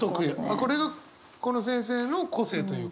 これがこの先生の個性というか。